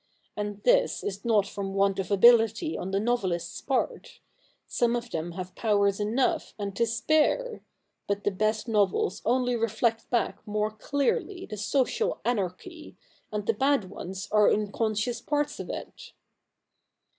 And this is not from want of ability on the novelists' part. Some of them have powers enough and to spare ; but the best novels only reflect back most clearly the social anarchy, and the bad ones are unconscious parts of it.'